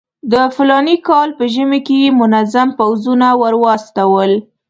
د فلاني کال په ژمي کې یې منظم پوځونه ورواستول.